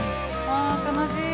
あ悲しい。